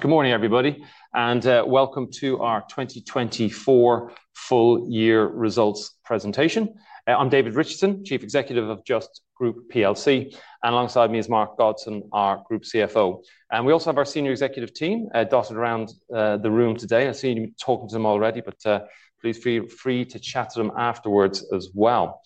Good morning, everybody, and welcome to our 2024 full year results presentation. I'm David Richardson, Chief Executive of Just Group plc, and alongside me is Mark Godson, our Group CFO. We also have our Senior Executive team dotted around the room today. I see you talking to them already, but please feel free to chat to them afterwards as well.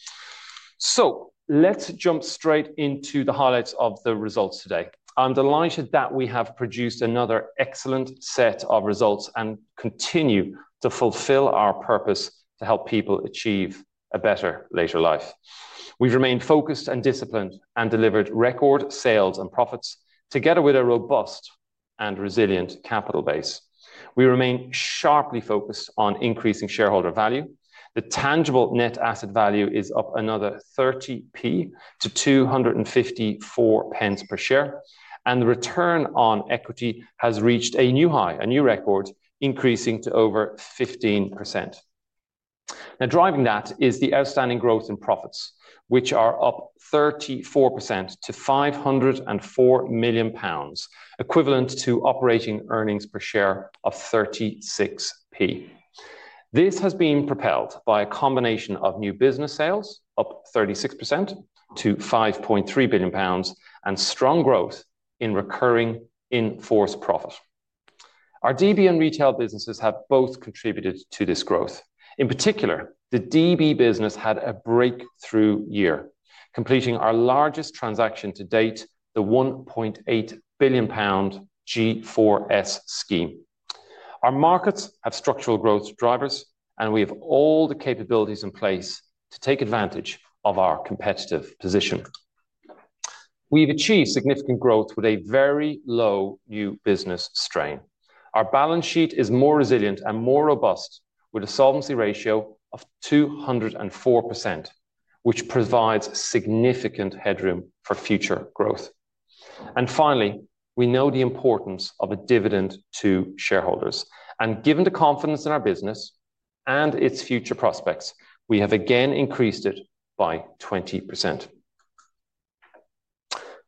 Let's jump straight into the highlights of the results today. I'm delighted that we have produced another excellent set of results and continue to fulfill our purpose to help people achieve a better later life. We've remained focused and disciplined and delivered record sales and profits together with a robust and resilient capital base. We remain sharply focused on increasing shareholder value. The tangible net asset value is up another 30p to 254 pence per share, and the return on equity has reached a new high, a new record, increasing to over 15%. Now, driving that is the outstanding growth in profits, which are up 34% to 504 million pounds, equivalent to operating earnings per share of 36p. This has been propelled by a combination of new business sales up 36% to 5.3 billion pounds and strong growth in recurring in force profit. Our DB and retail businesses have both contributed to this growth. In particular, the DB business had a breakthrough year, completing our largest transaction to date, the 1.8 billion pound G4S scheme. Our markets have structural growth drivers, and we have all the capabilities in place to take advantage of our competitive position. We've achieved significant growth with a very low new business strain. Our balance sheet is more resilient and more robust, with a solvency ratio of 204%, which provides significant headroom for future growth. We know the importance of a dividend to shareholders. Given the confidence in our business and its future prospects, we have again increased it by 20%.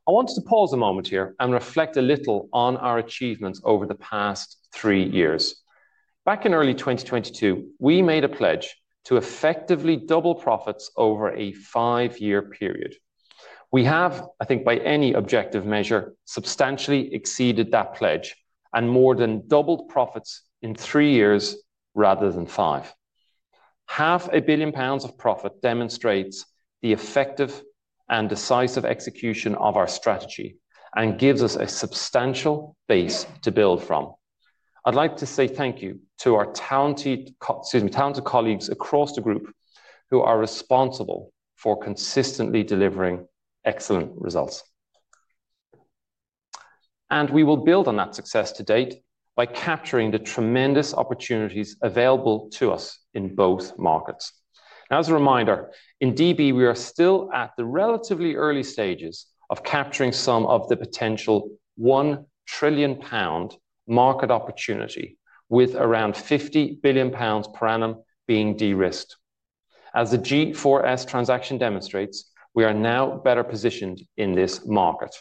I want to pause a moment here and reflect a little on our achievements over the past three years. Back in early 2022, we made a pledge to effectively double profits over a five-year period. We have, I think, by any objective measure, substantially exceeded that pledge and more than doubled profits in three years rather than five. 500,000,000 pounds of profit demonstrates the effective and decisive execution of our strategy and gives us a substantial base to build from. Would like to say thank you to our talented colleagues across the group who are responsible for consistently delivering excellent results. We will build on that success to date by capturing the tremendous opportunities available to us in both markets. Now, as a reminder, in DB, we are still at the relatively early stages of capturing some of the potential 1 trillion pound market opportunity, with around 50 billion pounds per annum being de-risked. As the G4S transaction demonstrates, we are now better positioned in this market.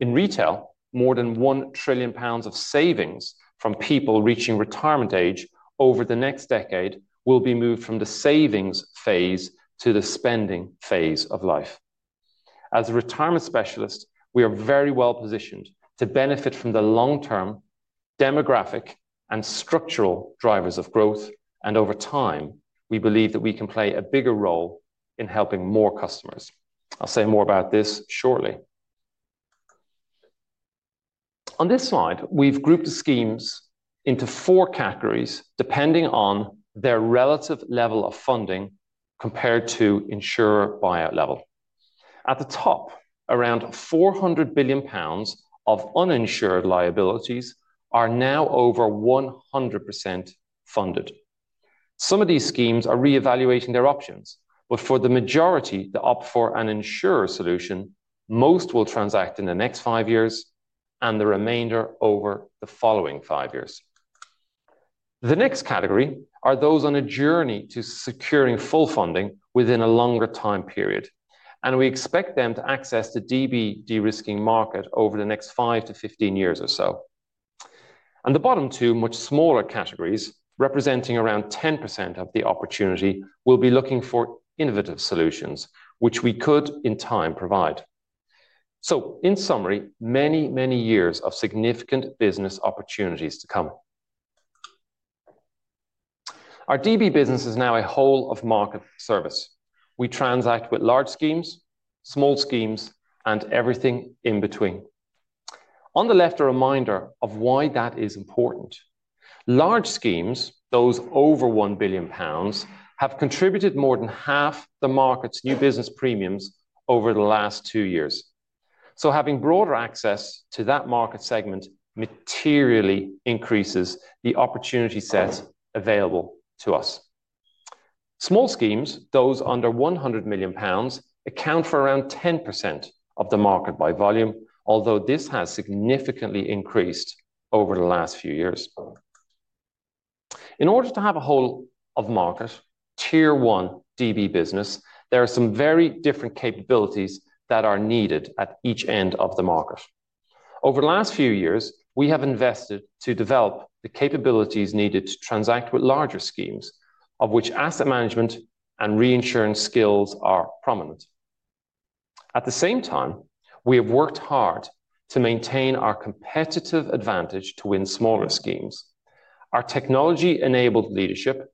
In retail, more than 1 trillion pounds of savings from people reaching retirement age over the next decade will be moved from the savings phase to the spending phase of life. As a retirement specialist, we are very well positioned to benefit from the long-term demographic and structural drivers of growth. Over time, we believe that we can play a bigger role in helping more customers. I'll say more about this shortly. On this slide, we've grouped the schemes into four categories depending on their relative level of funding compared to insurer buyout level. At the top, around 400 billion pounds of uninsured liabilities are now over 100% funded. Some of these schemes are reevaluating their options, but for the majority that opt for an insurer solution, most will transact in the next five years and the remainder over the following five years. The next category are those on a journey to securing full funding within a longer time period, and we expect them to access the DB de-risking market over the next 5-15 years or so. The bottom two, much smaller categories representing around 10% of the opportunity, will be looking for innovative solutions, which we could in time provide. In summary, many, many years of significant business opportunities to come. Our DB business is now a whole-of-market service. We transact with large schemes, small schemes, and everything in between. On the left, a reminder of why that is important. Large schemes, those over 1 billion pounds, have contributed more than half the market's new business premiums over the last two years. Having broader access to that market segment materially increases the opportunity set available to us. Small schemes, those under 100 million pounds, account for around 10% of the market by volume, although this has significantly increased over the last few years. In order to have a whole-of-market tier one DB business, there are some very different capabilities that are needed at each end of the market. Over the last few years, we have invested to develop the capabilities needed to transact with larger schemes, of which asset management and reinsurance skills are prominent. At the same time, we have worked hard to maintain our competitive advantage to win smaller schemes. Our technology-enabled leadership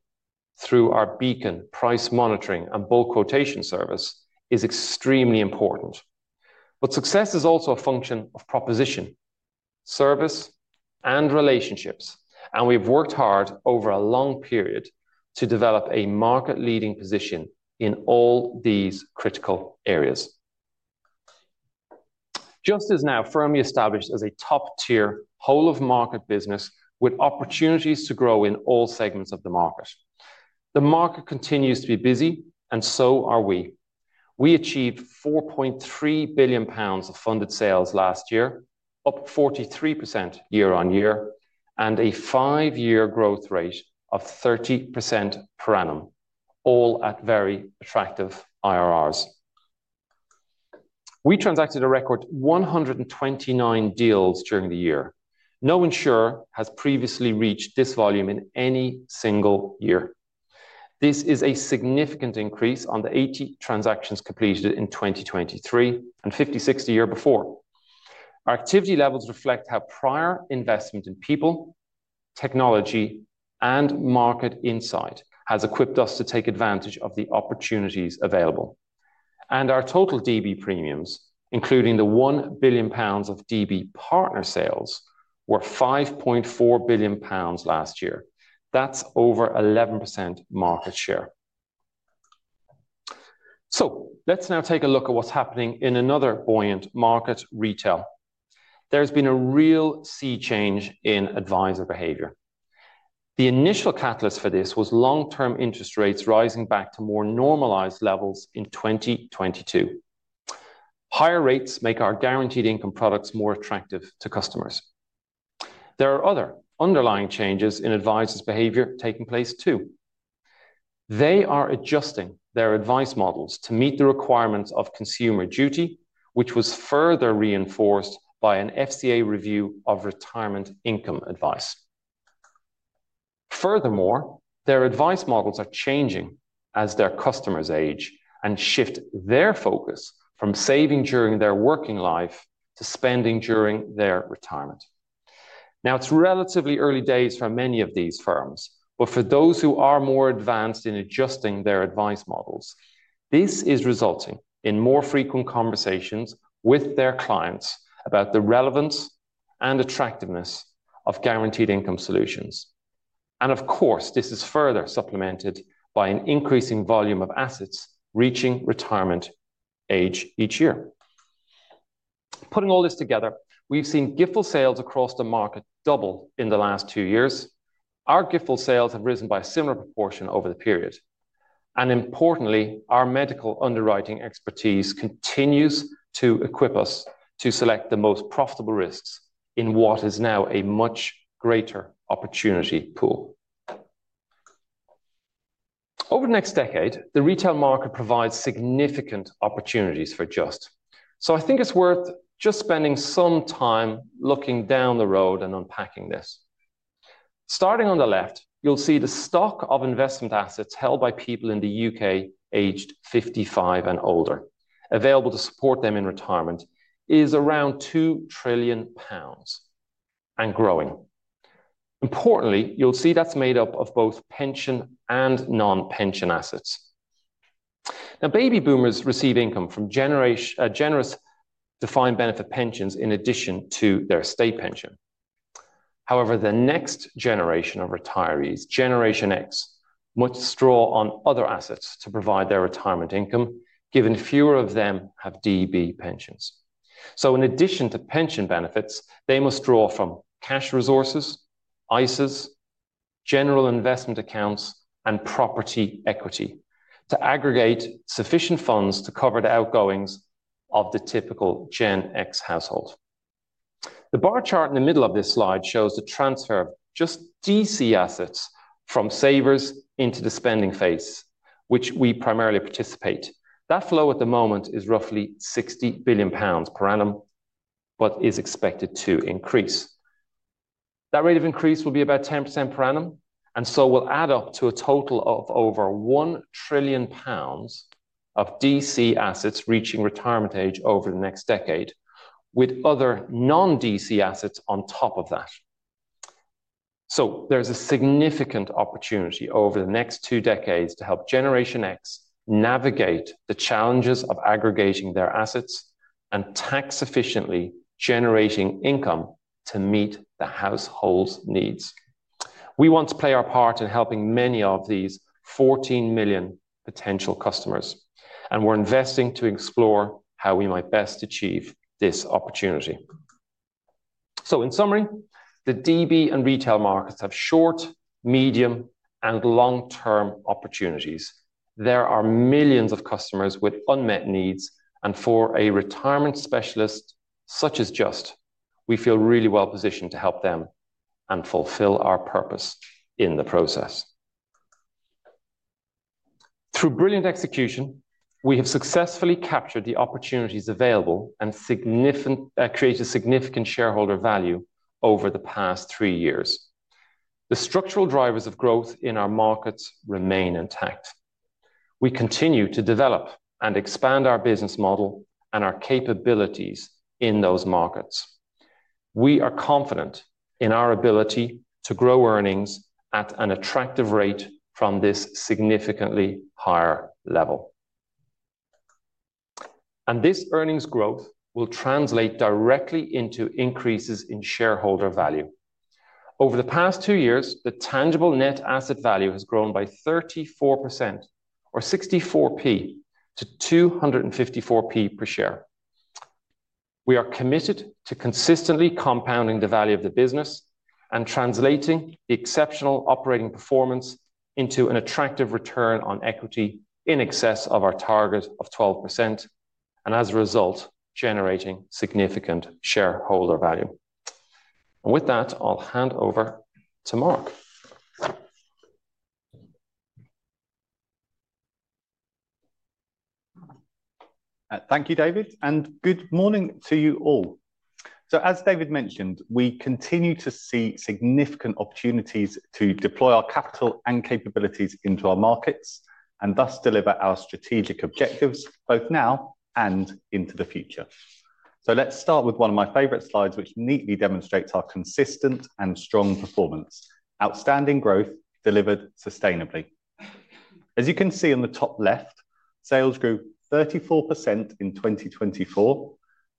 through our Beacon price monitoring and bulk quotation service is extremely important. Success is also a function of proposition, service, and relationships. We have worked hard over a long period to develop a market-leading position in all these critical areas. Just is now firmly established as a top-tier whole-of-market business with opportunities to grow in all segments of the market. The market continues to be busy, and so are we. We achieved 4.3 billion pounds of funded sales last year, up 43% year on year, and a five-year growth rate of 30% per annum, all at very attractive IRRs. We transacted a record 129 deals during the year. No insurer has previously reached this volume in any single year. This is a significant increase on the 80 transactions completed in 2023 and 56 the year before. Our activity levels reflect how prior investment in people, technology, and market insight has equipped us to take advantage of the opportunities available. Our total DB premiums, including the 1 billion pounds of DB partner sales, were 5.4 billion pounds last year. That is over 11% market share. Let us now take a look at what is happening in another buoyant market, retail. There has been a real sea change in advisor behavior. The initial catalyst for this was long-term interest rates rising back to more normalized levels in 2022. Higher rates make our guaranteed income products more attractive to customers. There are other underlying changes in advisors' behavior taking place too. They are adjusting their advice models to meet the requirements of consumer duty, which was further reinforced by an FCA review of retirement income advice. Furthermore, their advice models are changing as their customers age and shift their focus from saving during their working life to spending during their retirement. It is relatively early days for many of these firms, but for those who are more advanced in adjusting their advice models, this is resulting in more frequent conversations with their clients about the relevance and attractiveness of guaranteed income solutions. This is further supplemented by an increasing volume of assets reaching retirement age each year. Putting all this together, we've seen GIFL sales across the market double in the last two years. Our GIFL sales have risen by a similar proportion over the period. Importantly, our medical underwriting expertise continues to equip us to select the most profitable risks in what is now a much greater opportunity pool. Over the next decade, the retail market provides significant opportunities for Just. I think it's worth just spending some time looking down the road and unpacking this. Starting on the left, you'll see the stock of investment assets held by people in the U.K. aged 55 and older, available to support them in retirement, is around 2 trillion pounds and growing. Importantly, you'll see that's made up of both pension and non-pension assets. Now, baby boomers receive income from generous defined benefit pensions in addition to their estate pension. However, the next generation of retirees, Generation X, must draw on other assets to provide their retirement income, given fewer of them have DB pensions. In addition to pension benefits, they must draw from cash resources, ISAs, general investment accounts, and property equity to aggregate sufficient funds to cover the outgoings of the typical Gen X household. The bar chart in the middle of this slide shows the transfer of Just DC assets from savers into the spending phase, which we primarily participate. That flow at the moment is roughly 60 billion pounds per annum, but is expected to increase. That rate of increase will be about 10% per annum, and will add up to a total of over 1 trillion pounds of DC assets reaching retirement age over the next decade, with other non-DC assets on top of that. There is a significant opportunity over the next two decades to help Generation X navigate the challenges of aggregating their assets and tax-efficiently generating income to meet the household's needs. We want to play our part in helping many of these 14 million potential customers, and we're investing to explore how we might best achieve this opportunity. In summary, the DB and retail markets have short, medium, and long-term opportunities. There are millions of customers with unmet needs, and for a retirement specialist such as Just, we feel really well positioned to help them and fulfill our purpose in the process. Through brilliant execution, we have successfully captured the opportunities available and created significant shareholder value over the past three years. The structural drivers of growth in our markets remain intact. We continue to develop and expand our business model and our capabilities in those markets. We are confident in our ability to grow earnings at an attractive rate from this significantly higher level. This earnings growth will translate directly into increases in shareholder value. Over the past two years, the tangible net asset value has grown by 34%, or 0.64, to 2.54 per share. We are committed to consistently compounding the value of the business and translating the exceptional operating performance into an attractive return on equity in excess of our target of 12%, and as a result, generating significant shareholder value. With that, I'll hand over to Mark. Thank you, David, and good morning to you all. As David mentioned, we continue to see significant opportunities to deploy our capital and capabilities into our markets and thus deliver our strategic objectives both now and into the future. Let's start with one of my favorite slides, which neatly demonstrates our consistent and strong performance: outstanding growth delivered sustainably. As you can see on the top left, sales grew 34% in 2024,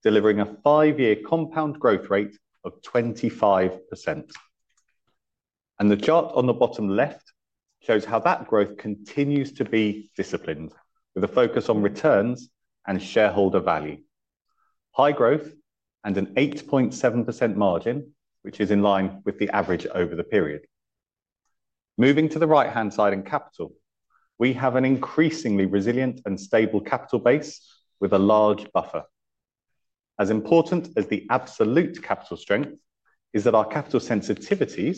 delivering a five-year compound growth rate of 25%. The chart on the bottom left shows how that growth continues to be disciplined, with a focus on returns and shareholder value. High growth and an 8.7% margin, which is in line with the average over the period. Moving to the right-hand side in capital, we have an increasingly resilient and stable capital base with a large buffer. As important as the absolute capital strength is that our capital sensitivities,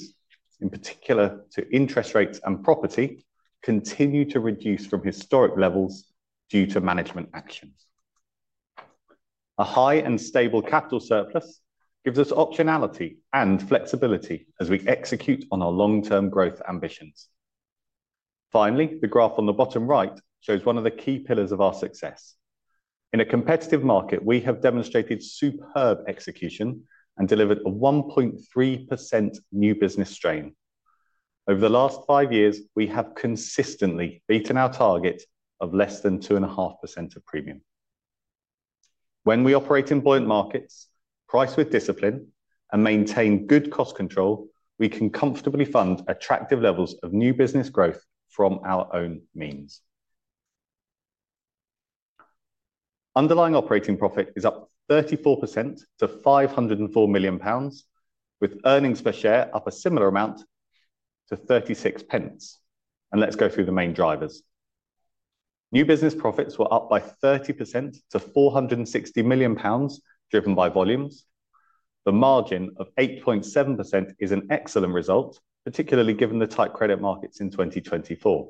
in particular to interest rates and property, continue to reduce from historic levels due to management actions. A high and stable capital surplus gives us optionality and flexibility as we execute on our long-term growth ambitions. Finally, the graph on the bottom right shows one of the key pillars of our success. In a competitive market, we have demonstrated superb execution and delivered a 1.3% new business strain. Over the last five years, we have consistently beaten our target of less than 2.5% of premium. When we operate in buoyant markets, price with discipline, and maintain good cost control, we can comfortably fund attractive levels of new business growth from our own means. Underlying operating profit is up 34% to 504 million pounds, with earnings per share up a similar amount to 0.36. Let us go through the main drivers. New business profits were up by 30% to 460 million pounds, driven by volumes. The margin of 8.7% is an excellent result, particularly given the tight credit markets in 2024.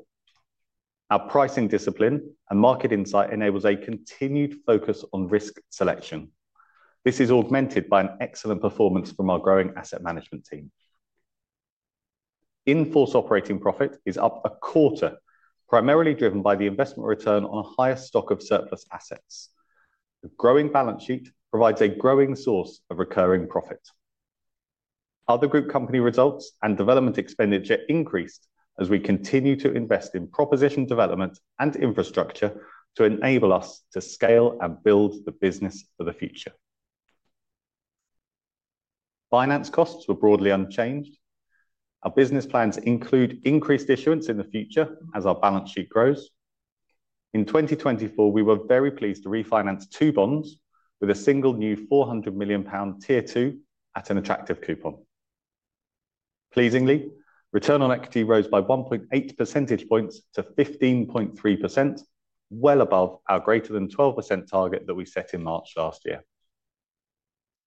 Our pricing discipline and market insight enables a continued focus on risk selection. This is augmented by an excellent performance from our growing asset management team. In force operating profit is up a quarter, primarily driven by the investment return on a higher stock of surplus assets. The growing balance sheet provides a growing source of recurring profit. Other group company results and development expenditure increased as we continue to invest in proposition development and infrastructure to enable us to scale and build the business for the future. Finance costs were broadly unchanged. Our business plans include increased issuance in the future as our balance sheet grows. In 2024, we were very pleased to refinance two bonds with a single new 400 million pound Tier 2 at an attractive coupon. Pleasingly, return on equity rose by 1.8 percentage points to 15.3%, well above our greater than 12% target that we set in March last year.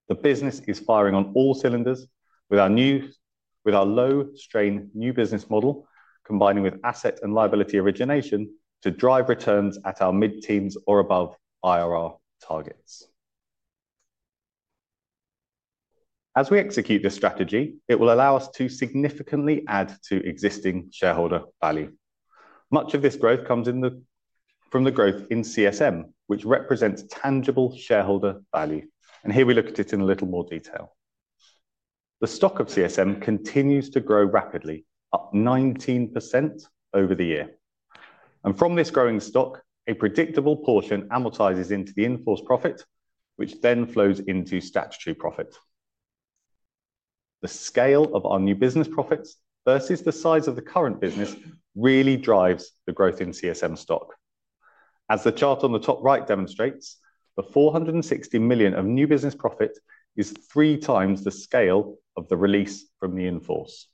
The business is firing on all cylinders with our new, with our low strain new business model, combining with asset and liability origination to drive returns at our mid-teens or above IRR targets. As we execute this strategy, it will allow us to significantly add to existing shareholder value. Much of this growth comes from the growth in CSM, which represents tangible shareholder value. Here we look at it in a little more detail. The stock of CSM continues to grow rapidly, up 19% over the year. From this growing stock, a predictable portion amortizes into the in force profit, which then flows into statutory profit. The scale of our new business profits versus the size of the current business really drives the growth in CSM stock. As the chart on the top right demonstrates, the 460 million of new business profit is three times the scale of the release from the in force.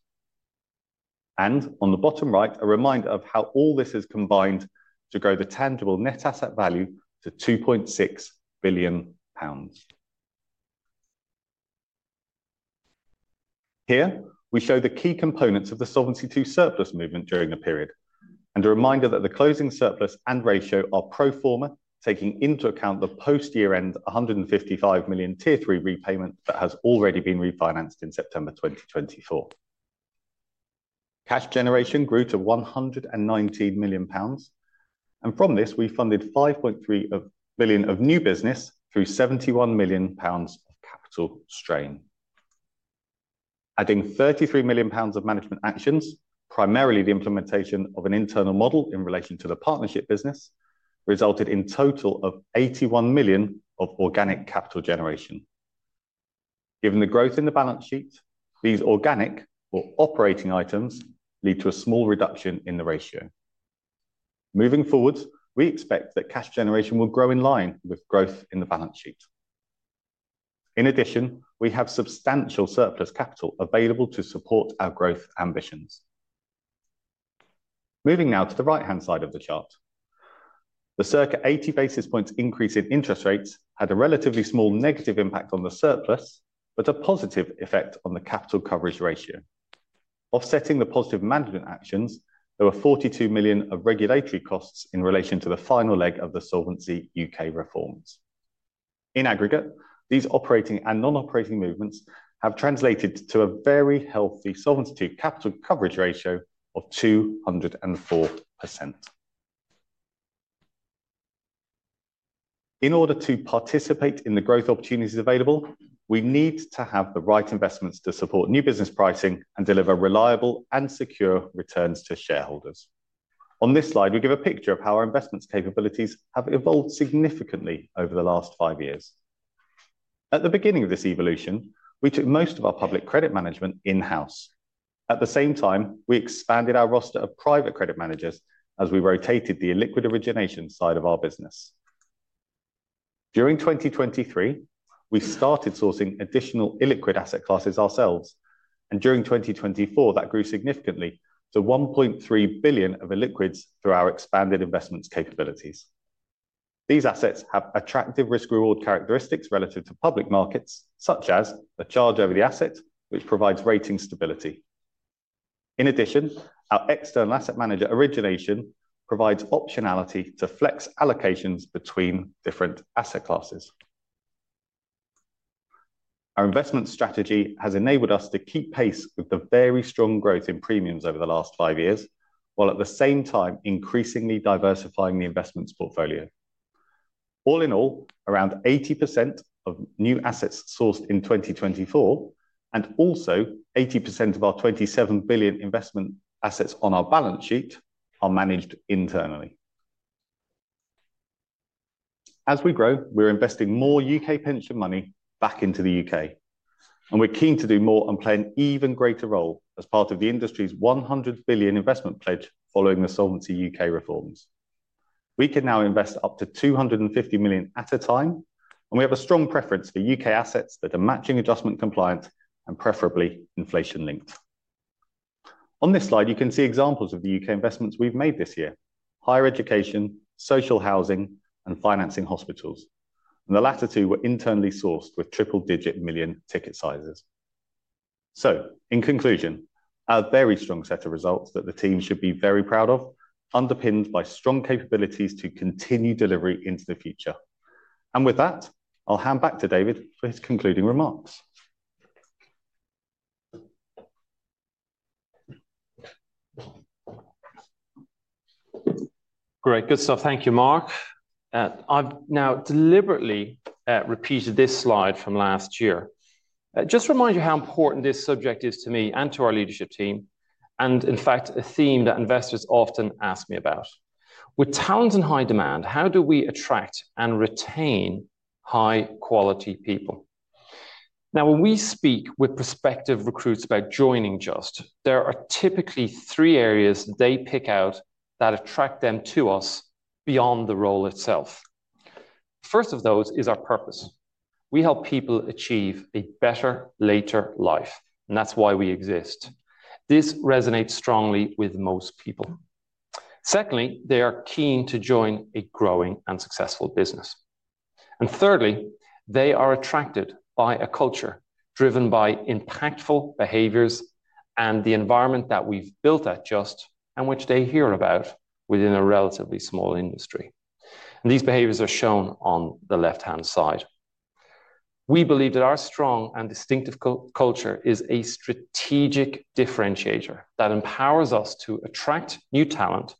On the bottom right, a reminder of how all this has combined to grow the tangible net asset value to 2.6 billion pounds. Here, we show the key components of the solvency to surplus movement during a period and a reminder that the closing surplus and ratio are pro forma, taking into account the post-year-end 155 million Tier 3 repayment that has already been refinanced in September 2024. Cash generation grew to 119 million pounds. From this, we funded 5.3 billion of new business through 71 million pounds of capital strain. Adding 33 million pounds of management actions, primarily the implementation of an internal model in relation to the Partnership business, resulted in a total of 81 million of organic capital generation. Given the growth in the balance sheet, these organic or operating items lead to a small reduction in the ratio. Moving forward, we expect that cash generation will grow in line with growth in the balance sheet. In addition, we have substantial surplus capital available to support our growth ambitions. Moving now to the right-hand side of the chart, the circa 80 basis points increase in interest rates had a relatively small negative impact on the surplus, but a positive effect on the capital coverage ratio. Offsetting the positive management actions, there were 42 million of regulatory costs in relation to the final leg of the Solvency U.K. reforms. In aggregate, these operating and non-operating movements have translated to a very healthy Solvency II capital coverage ratio of 204%. In order to participate in the growth opportunities available, we need to have the right investments to support new business pricing and deliver reliable and secure returns to shareholders. On this slide, we give a picture of how our investment capabilities have evolved significantly over the last five years. At the beginning of this evolution, we took most of our public credit management in-house. At the same time, we expanded our roster of private credit managers as we rotated the illiquid origination side of our business. During 2023, we started sourcing additional illiquid asset classes ourselves. During 2024, that grew significantly to 1.3 billion of illiquids through our expanded investment capabilities. These assets have attractive risk-reward characteristics relative to public markets, such as the charge over the asset, which provides rating stability. In addition, our external asset manager origination provides optionality to flex allocations between different asset classes. Our investment strategy has enabled us to keep pace with the very strong growth in premiums over the last five years, while at the same time increasingly diversifying the investment portfolio. All in all, around 80% of new assets sourced in 2024, and also 80% of our 27 billion investment assets on our balance sheet are managed internally. As we grow, we're investing more U.K. pension money back into the U.K. and we're keen to do more and play an even greater role as part of the industry's 100 billion investment pledge following the Solvency U.K. reforms. We can now invest up to 250 million at a time, and we have a strong preference for U.K. assets that are matching adjustment compliant and preferably inflation-linked. On this slide, you can see examples of the U.K. investments we've made this year: higher education, social housing, and financing hospitals. The latter two were internally sourced with triple-digit million ticket sizes. In conclusion, a very strong set of results that the team should be very proud of, underpinned by strong capabilities to continue delivery into the future. With that, I'll hand back to David for his concluding remarks. Great. Good stuff. Thank you, Mark. I've now deliberately repeated this slide from last year. Just to remind you how important this subject is to me and to our leadership team, and in fact, a theme that investors often ask me about. With talent and high demand, how do we attract and retain high-quality people? When we speak with prospective recruits about joining Just, there are typically three areas they pick out that attract them to us beyond the role itself. The first of those is our purpose. We help people achieve a better later life, and that is why we exist. This resonates strongly with most people. Secondly, they are keen to join a growing and successful business. Thirdly, they are attracted by a culture driven by impactful behaviors and the environment that we have built at Just and which they hear about within a relatively small industry. These behaviors are shown on the left-hand side. We believe that our strong and distinctive culture is a strategic differentiator that empowers us to attract new talent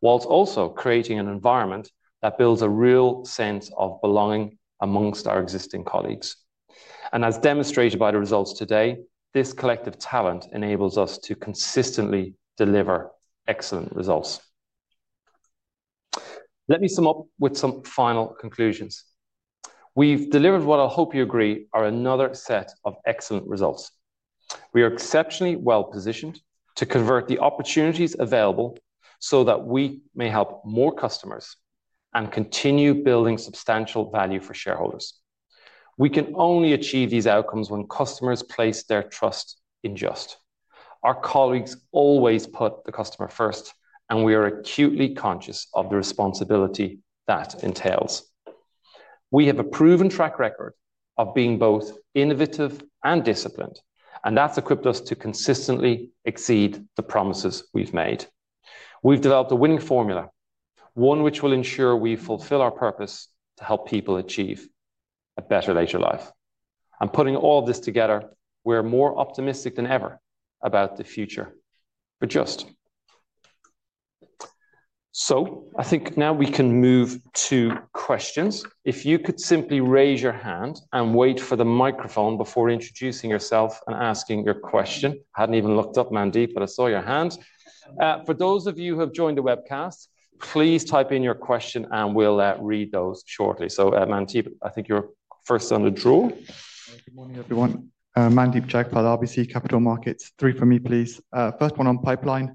whilst also creating an environment that builds a real sense of belonging amongst our existing colleagues. As demonstrated by the results today, this collective talent enables us to consistently deliver excellent results. Let me sum up with some final conclusions. We have delivered what I hope you agree are another set of excellent results. We are exceptionally well positioned to convert the opportunities available so that we may help more customers and continue building substantial value for shareholders. We can only achieve these outcomes when customers place their trust in Just. Our colleagues always put the customer first, and we are acutely conscious of the responsibility that entails. We have a proven track record of being both innovative and disciplined, and that's equipped us to consistently exceed the promises we've made. We've developed a winning formula, one which will ensure we fulfill our purpose to help people achieve a better later life. Putting all of this together, we're more optimistic than ever about the future for Just. I think now we can move to questions. If you could simply raise your hand and wait for the microphone before introducing yourself and asking your question. I had not even looked up Mandeep, but I saw your hand. For those of you who have joined the webcast, please type in your question, and we will read those shortly. Mandeep, I think you are first on the draw. Good morning, everyone. Mandeep Jagpal, RBC Capital Markets. Three for me, please. First one on pipeline.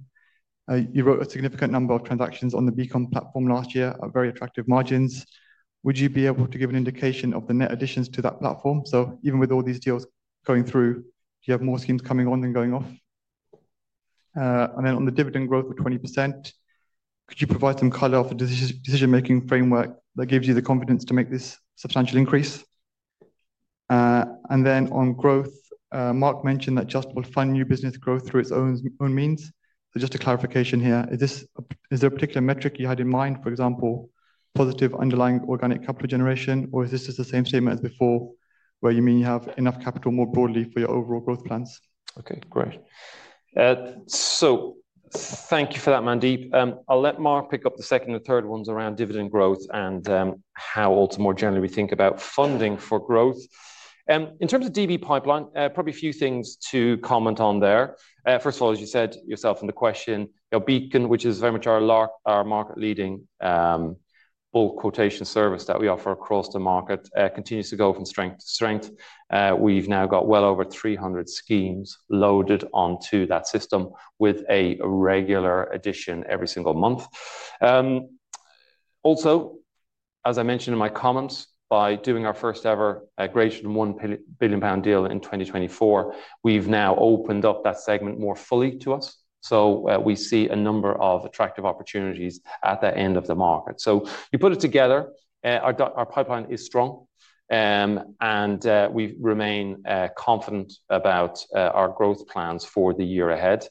You wrote a significant number of transactions on the Beacon platform last year, very attractive margins. Would you be able to give an indication of the net additions to that platform? Even with all these deals going through, do you have more schemes coming on than going off? On the dividend growth of 20%, could you provide some color of the decision-making framework that gives you the confidence to make this substantial increase? On growth, Mark mentioned that Just will fund new business growth through its own means. Just a clarification here, is there a particular metric you had in mind, for example, positive underlying organic capital generation, or is this just the same statement as before where you mean you have enough capital more broadly for your overall growth plans? Okay, great. Thank you for that, Mandeep. I'll let Mark pick up the second and third ones around dividend growth and how also more generally we think about funding for growth. In terms of DB pipeline, probably a few things to comment on there. First of all, as you said yourself in the question, Beacon, which is very much our market-leading bulk quotation service that we offer across the market, continues to go from strength to strength. We've now got well over 300 schemes loaded onto that system with a regular addition every single month. Also, as I mentioned in my comments, by doing our first-ever greater than 1 billion pound deal in 2024, we have now opened up that segment more fully to us. We see a number of attractive opportunities at the end of the market. You put it together, our pipeline is strong, and we remain confident about our growth plans for the year ahead.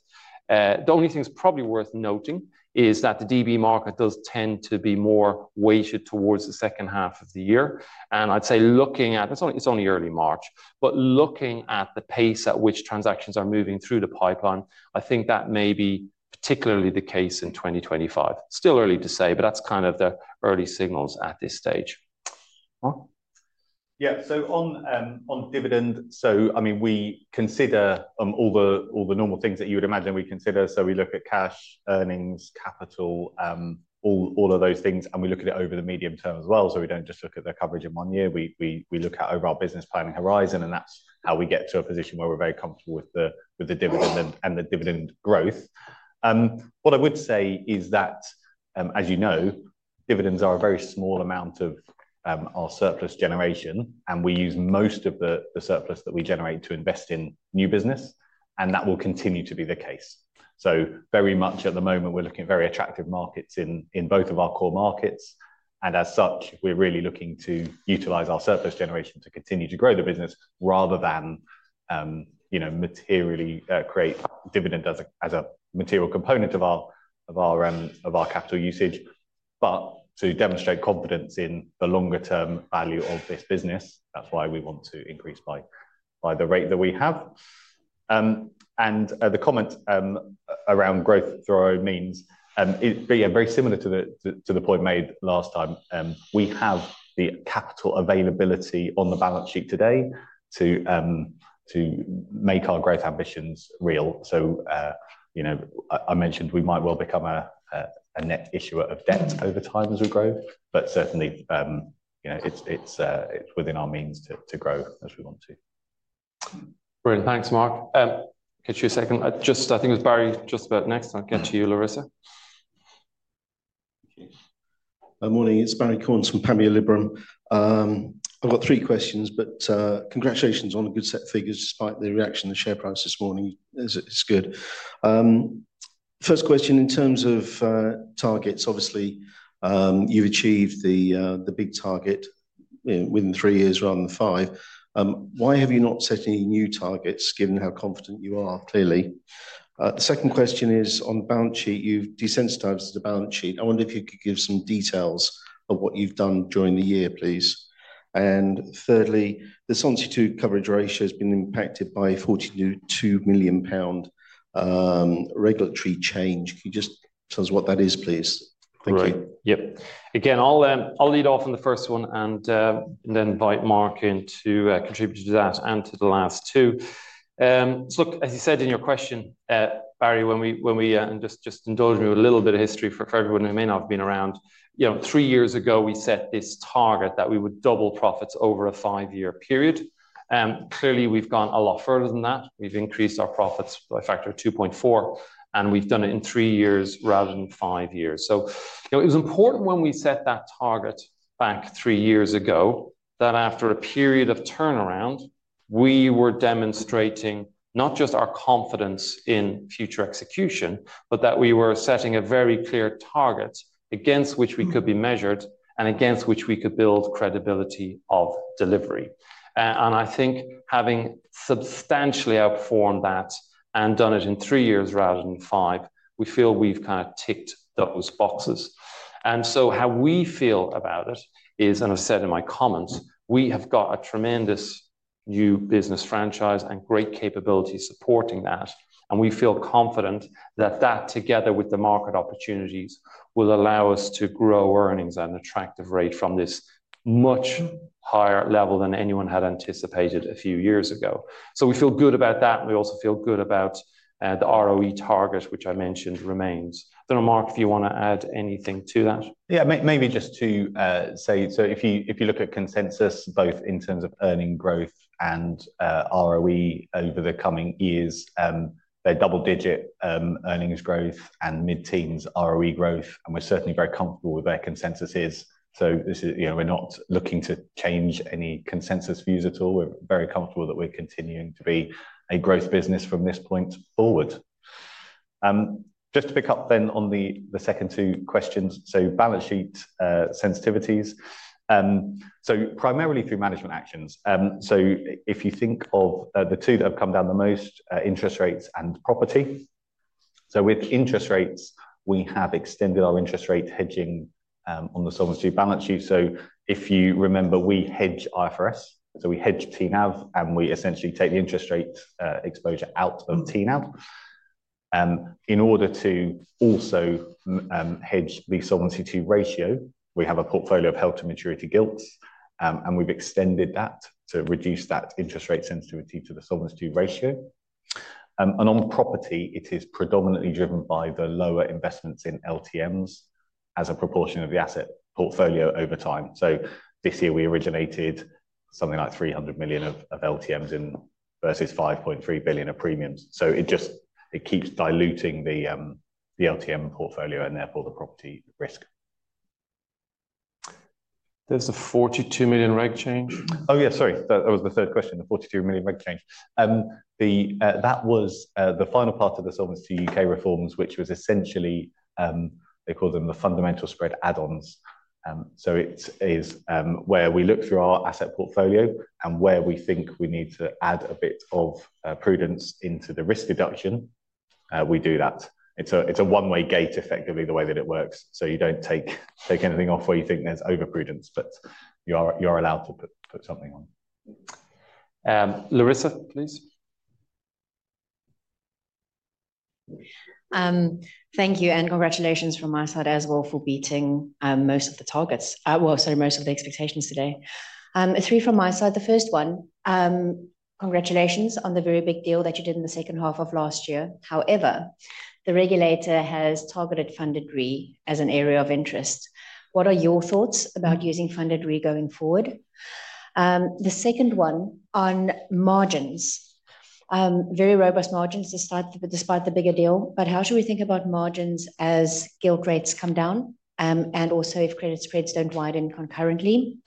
The only thing that is probably worth noting is that the DB market does tend to be more weighted towards the second half of the year. I would say looking at, it is only early March, but looking at the pace at which transactions are moving through the pipeline, I think that may be particularly the case in 2025. Still early to say, but that is kind of the early signals at this stage. Yeah, so on dividend, I mean, we consider all the normal things that you would imagine we consider. We look at cash earnings, capital, all of those things, and we look at it over the medium term as well. We do not just look at the coverage in one year. We look at it over our business planning horizon, and that is how we get to a position where we are very comfortable with the dividend and the dividend growth. What I would say is that, as you know, dividends are a very small amount of our surplus generation, and we use most of the surplus that we generate to invest in new business, and that will continue to be the case. Very much at the moment, we are looking at very attractive markets in both of our core markets. As such, we're really looking to utilize our surplus generation to continue to grow the business rather than materially create dividend as a material component of our capital usage, but to demonstrate confidence in the longer-term value of this business. That's why we want to increase by the rate that we have. The comment around growth through means is very similar to the point made last time. We have the capital availability on the balance sheet today to make our growth ambitions real. I mentioned we might well become a net issuer of debt over time as we grow, but certainly it's within our means to grow as we want to. Brilliant. Thanks, Mark. Get you a second. Just, I think it was Barrie just about next. I'll get to you, Larissa. Good morning. It's Barrie Cornes from Panmure Liberum. I've got three questions, but congratulations on a good set of figures despite the reaction to the share price this morning. It's good. First question, in terms of targets, obviously, you've achieved the big target within three years rather than five. Why have you not set any new targets given how confident you are? Clearly. The second question is on the balance sheet, you've desensitized the balance sheet. I wonder if you could give some details of what you've done during the year, please. And thirdly, the solvency coverage ratio has been impacted by 42 million pound regulatory change. Can you just tell us what that is, please? Thank you. Right. Yep. Again, I'll lead off on the first one and then invite Mark to contribute to that and to the last two. As you said in your question, Barrie, when we just indulge me with a little bit of history for everyone who may not have been around, three years ago, we set this target that we would double profits over a five-year period. Clearly, we've gone a lot further than that. We've increased our profits by a factor of 2.4, and we've done it in three years rather than five years. It was important when we set that target back three years ago that after a period of turnaround, we were demonstrating not just our confidence in future execution, but that we were setting a very clear target against which we could be measured and against which we could build credibility of delivery. I think having substantially outperformed that and done it in three years rather than five, we feel we've kind of ticked those boxes. How we feel about it is, and I've said in my comments, we have got a tremendous new business franchise and great capability supporting that. We feel confident that that, together with the market opportunities, will allow us to grow earnings at an attractive rate from this much higher level than anyone had anticipated a few years ago. We feel good about that. We also feel good about the ROE target, which I mentioned remains. I don't know, Mark, if you want to add anything to that. Yeah, maybe just to say, if you look at consensus, both in terms of earning growth and ROE over the coming years, their double-digit earnings growth and mid-teens ROE growth, and we're certainly very comfortable with where consensus is. We're not looking to change any consensus views at all. We're very comfortable that we're continuing to be a growth business from this point forward. Just to pick up then on the second two questions, balance sheet sensitivities, primarily through management actions. If you think of the two that have come down the most, interest rates and property. With interest rates, we have extended our interest rate hedging on the solvency balance sheet. If you remember, we hedge IFRS. We hedge TNAV, and we essentially take the interest rate exposure out of TNAV. In order to also hedge the solvency ratio, we have a portfolio of held to maturity gilts, and we've extended that to reduce that interest rate sensitivity to the solvency ratio. On property, it is predominantly driven by the lower investments in LTMs as a proportion of the asset portfolio over time. This year, we originated something like 300 million of LTMs versus 5.3 billion of premiums. It just keeps diluting the LTM portfolio and therefore the property risk. There is a 42 million reg change. Oh, yeah, sorry. That was the third question, the 42 million reg change. That was the final part of the Solvency U.K. reforms, which was essentially, they call them the fundamental spread add-ons. It is where we look through our asset portfolio and where we think we need to add a bit of prudence into the risk deduction. We do that. It is a one-way gate, effectively, the way that it works. You do not take anything off where you think there is overprudence, but you are allowed to put something on. Larissa, please. Thank you. Congratulations from my side as well for beating most of the targets, sorry, most of the expectations today. Three from my side. The first one, congratulations on the very big deal that you did in the second half of last year. However, the regulator has targeted Funded Re as an area of interest. What are your thoughts about using Funded Re going forward? The second one on margins, very robust margins despite the bigger deal, but how should we think about margins as gilt rates come down and also if credit spreads do not widen concurrently?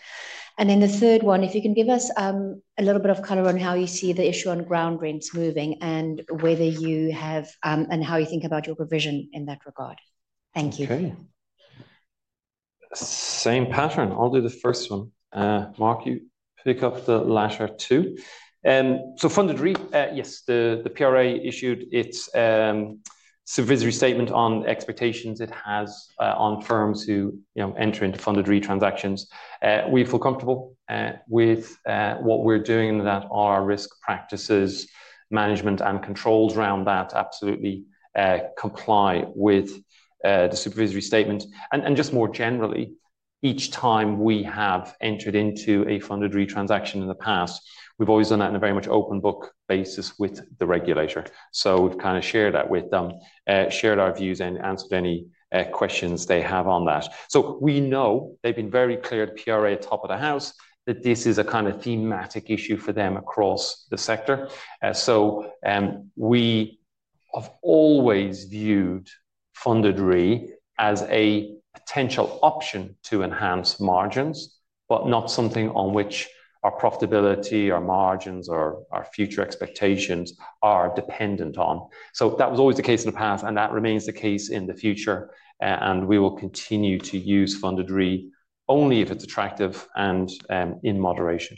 And then the third one, if you can give us a little bit of color on how you see the issue on ground rents moving and whether you have and how you think about your provision in that regard. Thank you. Okay. Same pattern. I will do the first one. Mark, you pick up the latter two. Funded re, yes, the PRA issued its supervisory statement on expectations it has on firms who enter into Funded Re transactions. We feel comfortable with what we're doing and that our risk practices, management, and controls around that absolutely comply with the supervisory statement. Just more generally, each time we have entered into a Funded Re transaction in the past, we've always done that on a very much open book basis with the regulator. We have shared that with them, shared our views, and answered any questions they have on that. We know they've been very clear to PRA at the top of the house that this is a kind of thematic issue for them across the sector. We have always viewed Funded Re as a potential option to enhance margins, but not something on which our profitability, our margins, or our future expectations are dependent on. That was always the case in the past, and that remains the case in the future. We will continue to use Funded Re only if it's attractive and in moderation.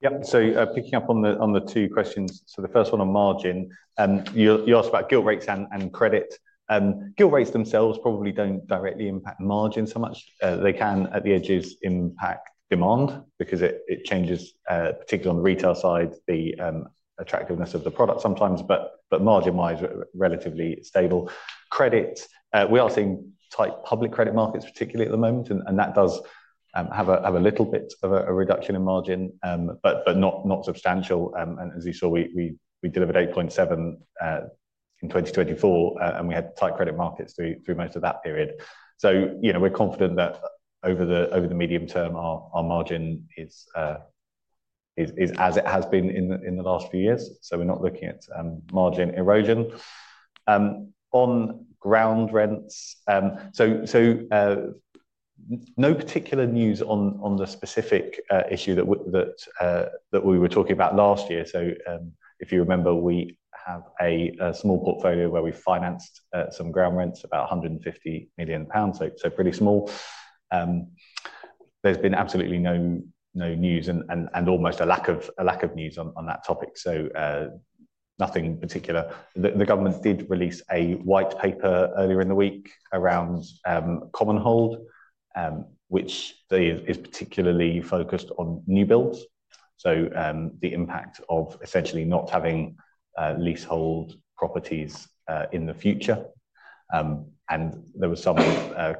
Yep. Picking up on the two questions. The first one on margin, you asked about gilt rates and credit. Gilt rates themselves probably do not directly impact margin so much. They can, at the edges, impact demand because it changes, particularly on the retail side, the attractiveness of the product sometimes, but margin-wise, relatively stable. Credit, we are seeing tight public credit markets, particularly at the moment, and that does have a little bit of a reduction in margin, but not substantial. As you saw, we delivered 8.7 in 2024, and we had tight credit markets through most of that period. We are confident that over the medium term, our margin is as it has been in the last few years. We are not looking at margin erosion. On ground rents, no particular news on the specific issue that we were talking about last year. If you remember, we have a small portfolio where we financed some ground rents, about 150 million pounds. Pretty small. There has been absolutely no news and almost a lack of news on that topic. Nothing particular. The government did release a white paper earlier in the week around Commonhold, which is particularly focused on new builds. The impact is essentially not having leasehold properties in the future. There were some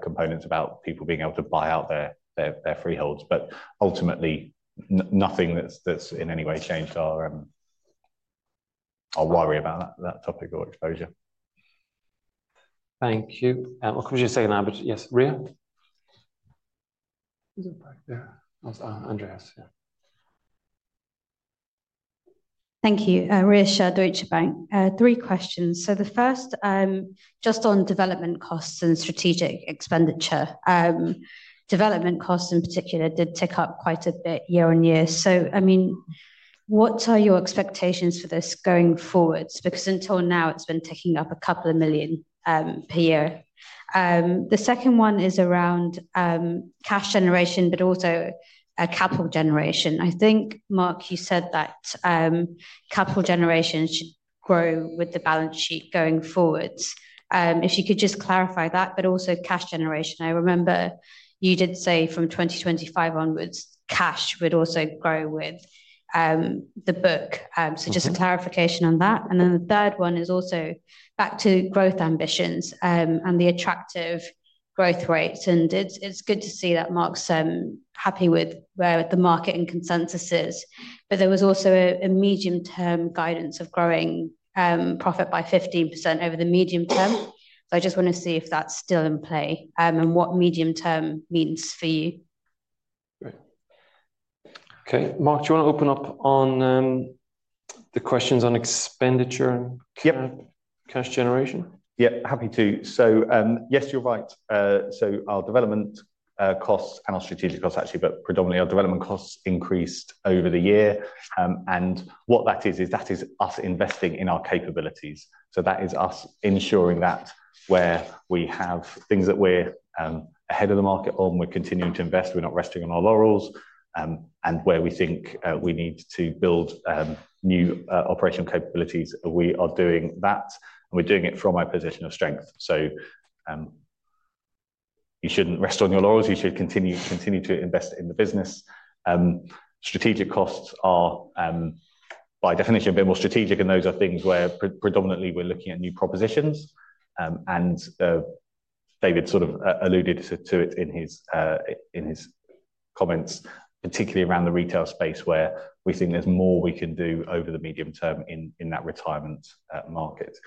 components about people being able to buy out their freeholds, but ultimately, nothing that's in any way changed our worry about that topic or exposure. Thank you. I'll give you a second, but yes, Rhea. Thank you. Rhea Shah, Deutsche Bank. Three questions. The first, just on development costs and strategic expenditure. Development costs, in particular, did tick up quite a bit year on year. I mean, what are your expectations for this going forward? Because until now, it's been ticking up a couple of million per year. The second one is around cash generation, but also capital generation. I think, Mark, you said that capital generation should grow with the balance sheet going forwards. If you could just clarify that, but also cash generation. I remember you did say from 2025 onwards, cash would also grow with the book. Just a clarification on that. The third one is also back to growth ambitions and the attractive growth rates. It is good to see that Mark is happy with where the market and consensus is. There was also a medium-term guidance of growing profit by 15% over the medium term. I just want to see if that is still in play and what medium term means for you. Mark, do you want to open up on the questions on expenditure and cash generation? Yes, happy to. Yes, you are right. Our development costs and our strategic costs, actually, but predominantly our development costs increased over the year. What that is, is that is us investing in our capabilities. That is us ensuring that where we have things that we are ahead of the market on, we are continuing to invest, we are not resting on our laurels. Where we think we need to build new operational capabilities, we are doing that. We are doing it from our position of strength. You should not rest on your laurels. You should continue to invest in the business. Strategic costs are, by definition, a bit more strategic, and those are things where predominantly we are looking at new propositions. David sort of alluded to it in his comments, particularly around the retail space, where we think there is more we can do over the medium term in that retirement market.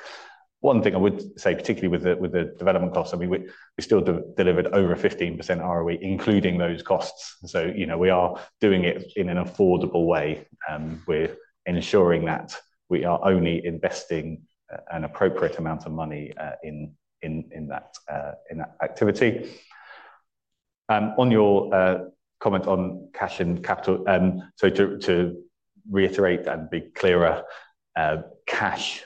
One thing I would say, particularly with the development costs, I mean, we still delivered over 15% ROE, including those costs. We are doing it in an affordable way. We are ensuring that we are only investing an appropriate amount of money in that activity. On your comment on cash and capital, to reiterate and be clearer, cash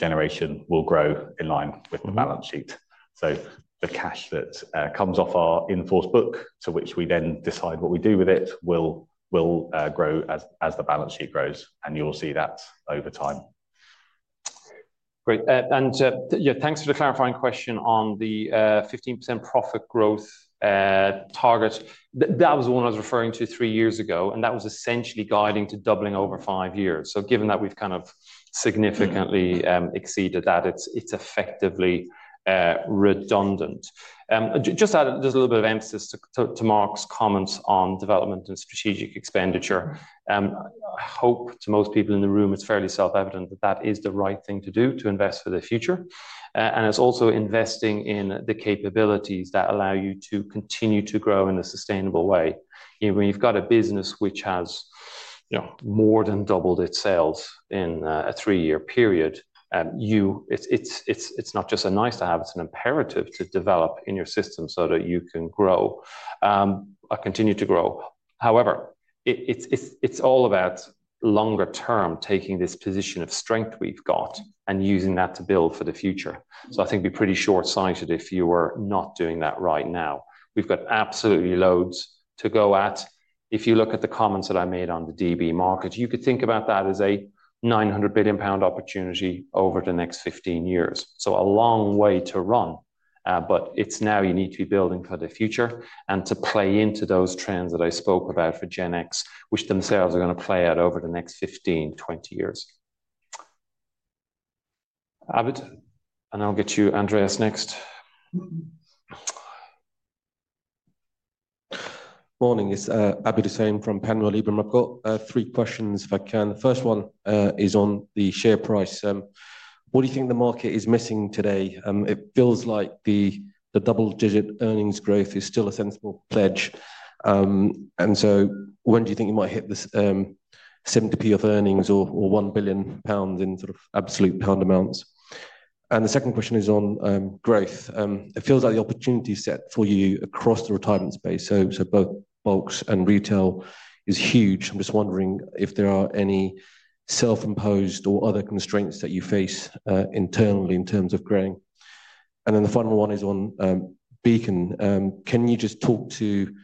generation will grow in line with the balance sheet. The cash that comes off our enforced book, to which we then decide what we do with it, will grow as the balance sheet grows, and you'll see that over time. Great. Thanks for the clarifying question on the 15% profit growth target. That was the one I was referring to three years ago, and that was essentially guiding to doubling over five years. Given that we've kind of significantly exceeded that, it's effectively redundant. Just added just a little bit of emphasis to Mark's comments on development and strategic expenditure. I hope to most people in the room, it's fairly self-evident that that is the right thing to do to invest for the future. It is also investing in the capabilities that allow you to continue to grow in a sustainable way. When you have got a business which has more than doubled its sales in a three-year period, it is not just a nice to have, it is an imperative to develop in your system so that you can grow, continue to grow. However, it is all about longer-term taking this position of strength we have got and using that to build for the future. I think it would be pretty short-sighted if you are not doing that right now. We have got absolutely loads to go at. If you look at the comments that I made on the DB market, you could think about that as a 900 billion pound opportunity over the next 15 years. A long way to run, but it's now you need to be building for the future and to play into those trends that I spoke about for Gen X, which themselves are going to play out over the next 15-20 years. Abid? And I'll get you, Andreas, next. Morning. It's Abid Hussain from Panmure Liberum. I've got three questions, if I can. The first one is on the share price. What do you think the market is missing today? It feels like the double-digit earnings growth is still a sensible pledge. When do you think you might hit the symptom of earnings or 1 billion pounds in sort of absolute pound amounts? The second question is on growth. It feels like the opportunity set for you across the retirement space, so both bulks and retail is huge. I'm just wondering if there are any self-imposed or other constraints that you face internally in terms of growing. The final one is on Beacon. Can you just talk to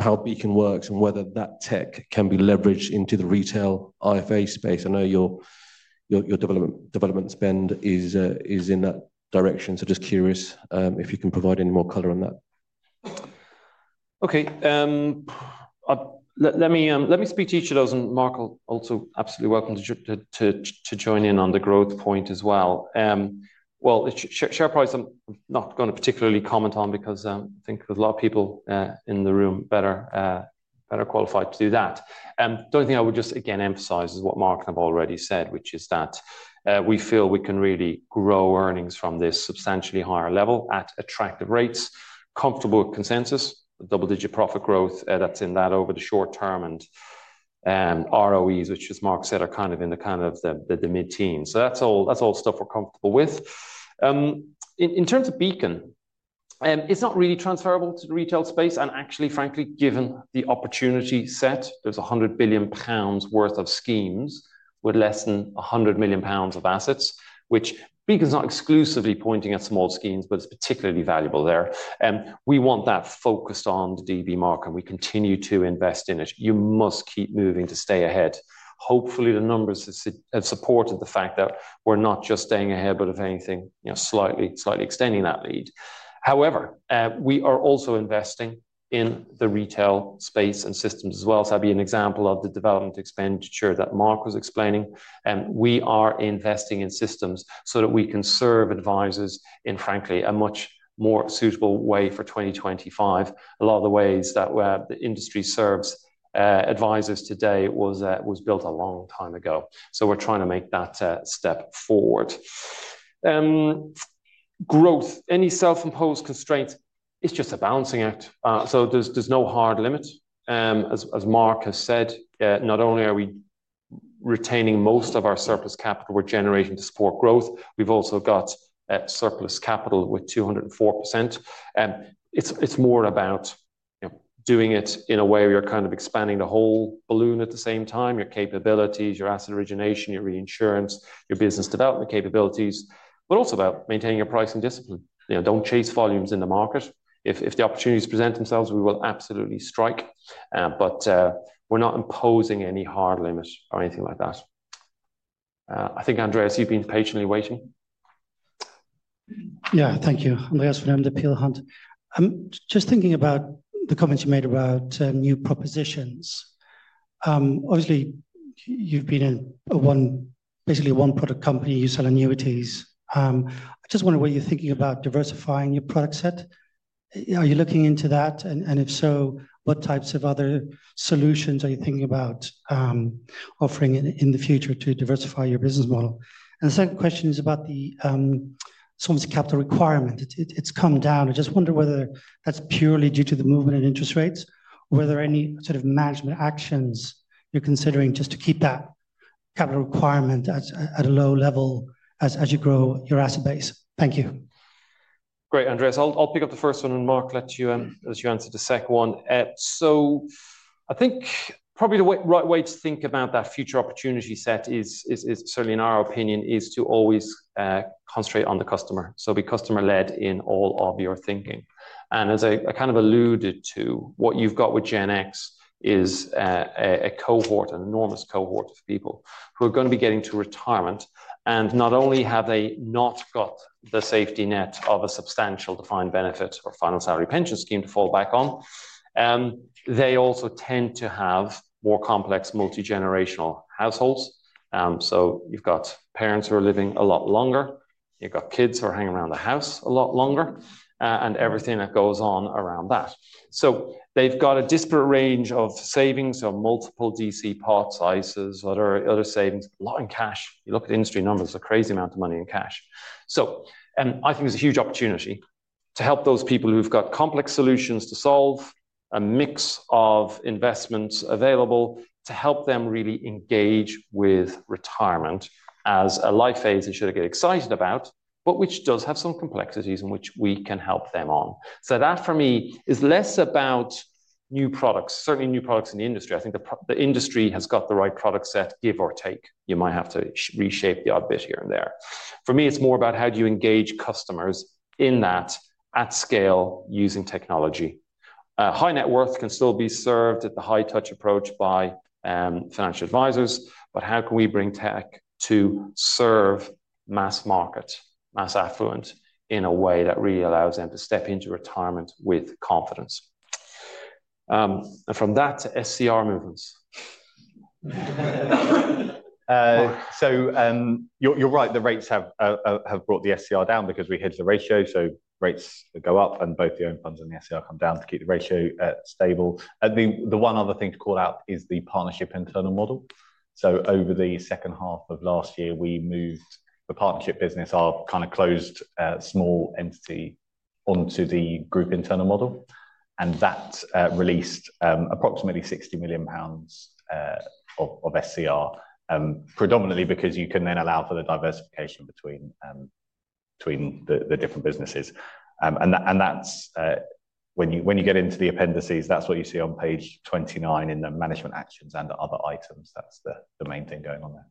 how Beacon works and whether that tech can be leveraged into the retail IFA space? I know your development spend is in that direction, so just curious if you can provide any more color on that. Okay. Let me speak to each of those, and Mark also absolutely welcome to join in on the growth point as well. Share price, I'm not going to particularly comment on because I think there's a lot of people in the room better qualified to do that. The only thing I would just, again, emphasize is what Mark and I have already said, which is that we feel we can really grow earnings from this substantially higher level at attractive rates, comfortable consensus, double-digit profit growth that's in that over the short term, and ROEs, which, as Mark said, are kind of in the kind of the mid-teens. That is all stuff we're comfortable with. In terms of Beacon, it's not really transferable to the retail space. Actually, frankly, given the opportunity set, there is 100 billion pounds worth of schemes with less than 100 million pounds of assets, which Beacon's not exclusively pointing at small schemes, but it's particularly valuable there. We want that focused on the DB mark, and we continue to invest in it. You must keep moving to stay ahead. Hopefully, the numbers have supported the fact that we're not just staying ahead, but if anything, slightly extending that lead. However, we are also investing in the retail space and systems as well. That'd be an example of the development expenditure that Mark was explaining. We are investing in systems so that we can serve advisors in, frankly, a much more suitable way for 2025. A lot of the ways that the industry serves advisors today was built a long time ago. We are trying to make that step forward. Growth, any self-imposed constraint, it's just a balancing act. There is no hard limit. As Mark has said, not only are we retaining most of our surplus capital we're generating to support growth, we've also got surplus capital with 204%. It's more about doing it in a way where you're kind of expanding the whole balloon at the same time, your capabilities, your asset origination, your reinsurance, your business development capabilities, but also about maintaining your pricing discipline. Do not chase volumes in the market. If the opportunities present themselves, we will absolutely strike. We are not imposing any hard limit or anything like that. I think, Andreas, you've been patiently waiting. Yeah, thank you, Andreas from Peel Hunt. Just thinking about the comments you made about new propositions. Obviously, you've been basically a one-product company. You sell annuities. I just wonder what you're thinking about diversifying your product set. Are you looking into that? If so, what types of other solutions are you thinking about offering in the future to diversify your business model? The second question is about the sort of capital requirement. It's come down. I just wonder whether that's purely due to the movement in interest rates, or whether any sort of management actions you're considering just to keep that capital requirement at a low level as you grow your asset base. Thank you. Great, Andreas. I'll pick up the first one, and Mark lets you answer the second one. I think probably the right way to think about that future opportunity set, certainly in our opinion, is to always concentrate on the customer. Be customer-led in all of your thinking. As I kind of alluded to, what you've got with Gen X is a cohort, an enormous cohort of people who are going to be getting to retirement. Not only have they not got the safety net of a substantial defined benefit or final salary pension scheme to fall back on, they also tend to have more complex multi-generational households. You have parents who are living a lot longer. You have kids who are hanging around the house a lot longer and everything that goes on around that. They have a disparate range of savings of multiple DC part sizes, other savings, a lot in cash. You look at industry numbers, a crazy amount of money in cash. I think it is a huge opportunity to help those people who have complex solutions to solve, a mix of investments available to help them really engage with retirement as a life phase they should get excited about, but which does have some complexities in which we can help them on. That for me is less about new products, certainly new products in the industry. I think the industry has got the right product set, give or take. You might have to reshape the odd bit here and there. For me, it's more about how do you engage customers in that at scale using technology. High net worth can still be served at the high-touch approach by financial advisors, but how can we bring tech to serve mass market, mass affluent in a way that really allows them to step into retirement with confidence? From that, SCR movements. You're right, the rates have brought the SCR down because we hit the ratio. Rates go up, and both the own funds and the SCR come down to keep the ratio stable. The one other thing to call out is the Partnership internal model. Over the second half of last year, we moved the partnership business, our kind of closed small entity, onto the group internal model. That released approximately 60 million pounds of SCR, predominantly because you can then allow for the diversification between the different businesses. When you get into the appendices, that's what you see on page 29 in the management actions and other items. That's the main thing going on there.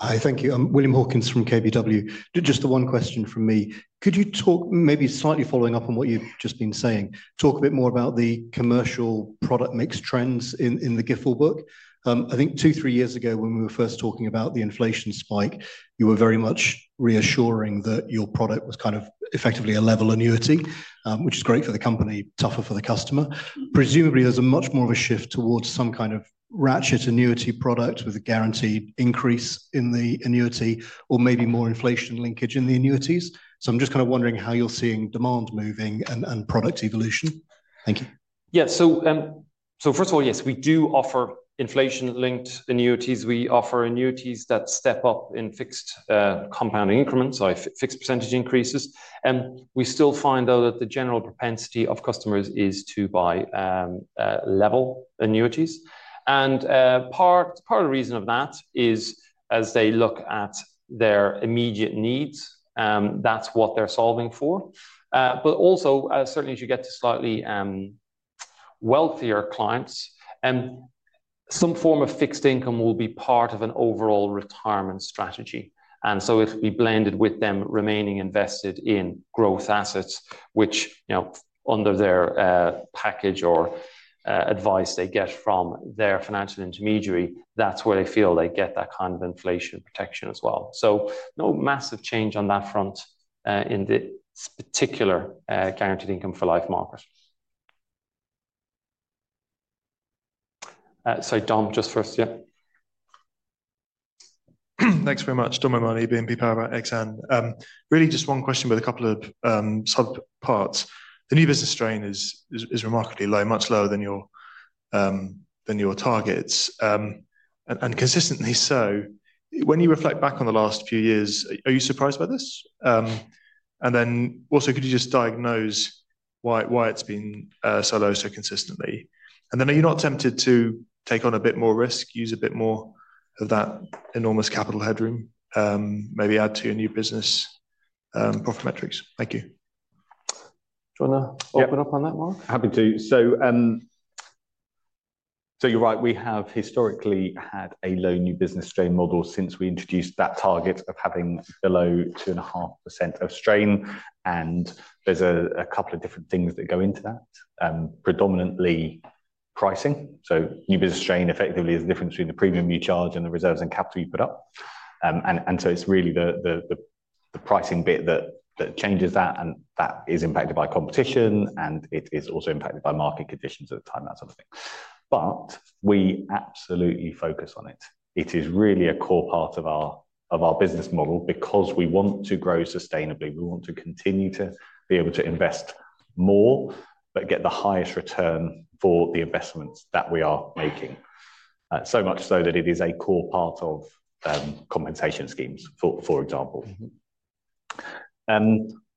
Hi, thank you. I'm William Hawkins from KBW. Just the one question from me. Could you talk maybe slightly following up on what you've just been saying, talk a bit more about the commercial product mix trends in the GIFL book? I think two, three years ago, when we were first talking about the inflation spike, you were very much reassuring that your product was kind of effectively a level annuity, which is great for the company, tougher for the customer. Presumably, there's much more of a shift towards some kind of ratchet annuity product with a guaranteed increase in the annuity or maybe more inflation linkage in the annuities. I'm just kind of wondering how you're seeing demand moving and product evolution. Thank you. Yeah. First of all, yes, we do offer inflation-linked annuities. We offer annuities that step up in fixed compounding increments, fixed percentage increases. We still find, though, that the general propensity of customers is to buy level annuities. Part of the reason of that is, as they look at their immediate needs, that's what they're solving for. Also, certainly, as you get to slightly wealthier clients, some form of fixed income will be part of an overall retirement strategy. It will be blended with them remaining invested in growth assets, which under their package or advice they get from their financial intermediary, that is where they feel they get that kind of inflation protection as well. No massive change on that front in this particular guaranteed income for life market. Sorry, Dom, just first, yeah. Thanks very much. Dom O'Mahony, BNP Paribas Exane. Really just one question with a couple of subparts. The new business strain is remarkably low, much lower than your targets. Consistently so, when you reflect back on the last few years, are you surprised by this? Also, could you just diagnose why it has been so low, so consistently? Are you not tempted to take on a bit more risk, use a bit more of that enormous capital headroom, maybe add to your new business profit metrics? Thank you. Do you want to open up on that, Mark? Happy to. You are right. We have historically had a low new business strain model since we introduced that target of having below 2.5% of strain. There are a couple of different things that go into that, predominantly pricing. New business strain effectively is the difference between the premium you charge and the reserves and capital you put up. It is really the pricing bit that changes that, and that is impacted by competition, and it is also impacted by market conditions at the time, that sort of thing. We absolutely focus on it. It is really a core part of our business model because we want to grow sustainably. We want to continue to be able to invest more but get the highest return for the investments that we are making. So much so that it is a core part of compensation schemes, for example.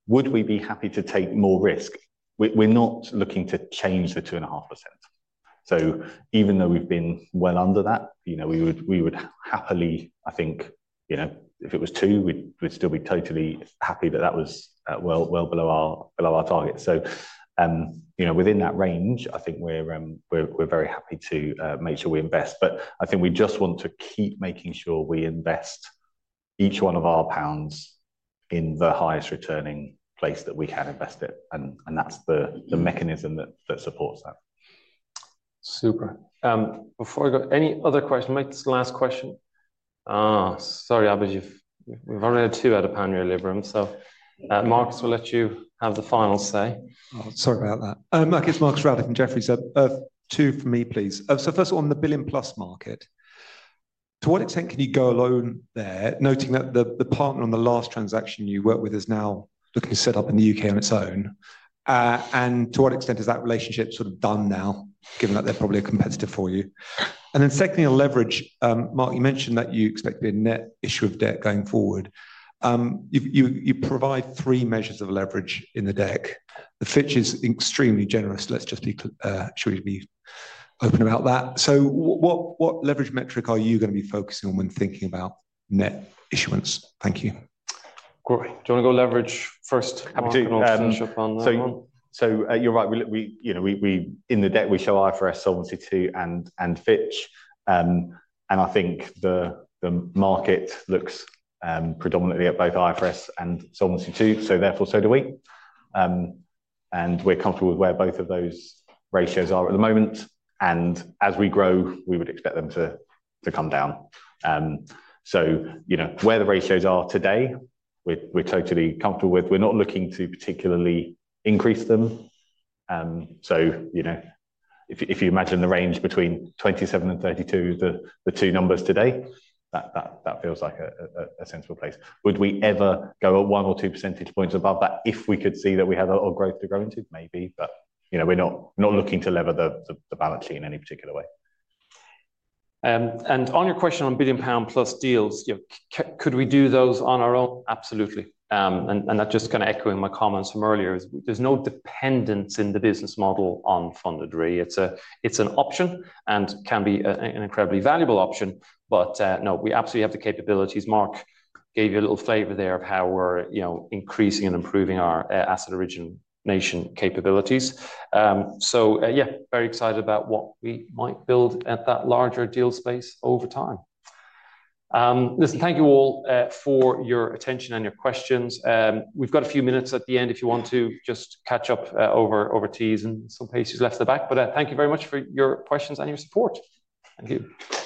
Would we be happy to take more risk? We're not looking to change the 2.5%. Even though we've been well under that, we would happily, I think, if it was 2%, we'd still be totally happy that that was well below our target. Within that range, I think we're very happy to make sure we invest. I think we just want to keep making sure we invest each one of our pounds in the highest returning place that we can invest it. That's the mechanism that supports that. Super. Before we go, any other questions? Mike's last question. Sorry, Abid. We've only had two out of pound really room. Markus, we'll let you have the final say. Sorry about that. It's Markus from Jefferies. Two for me, please. First of all, in the billion-plus market, to what extent can you go alone there, noting that the partner on the last transaction you worked with is now looking to set up in the U.K. on its own? To what extent is that relationship sort of done now, given that they're probably a competitor for you? Secondly, on leverage, Mark, you mentioned that you expect to be a net issuer of debt going forward. You provide three measures of leverage in the deck. The Fitch is extremely generous. Let's just be open about that. What leverage metric are you going to be focusing on when thinking about net issuance? Thank you. Great. Do you want to go leverage first? Happy to finish up on that one. You're right. In the deck, we show IFRS, Solvency II, and Fitch. I think the market looks predominantly at both IFRS and Solvency II. Therefore, so do we. We're comfortable with where both of those ratios are at the moment. As we grow, we would expect them to come down. Where the ratios are today, we're totally comfortable with. We're not looking to particularly increase them. If you imagine the range between 27-32, the two numbers today, that feels like a sensible place. Would we ever go up one or two percentage points above that if we could see that we have a lot of growth to grow into? Maybe. We are not looking to lever the balance sheet in any particular way. On your question on billion-pound plus deals, could we do those on our own? Absolutely. That is just kind of echoing my comments from earlier. There is no dependence in the business model on funded re. It is an option and can be an incredibly valuable option. No, we absolutely have the capabilities. Mark gave you a little flavor there of how we are increasing and improving our asset origination capabilities. Yeah, very excited about what we might build at that larger deal space over time. Listen, thank you all for your attention and your questions. We've got a few minutes at the end if you want to just catch up over teas and some pastries left at the back. Thank you very much for your questions and your support. Thank you.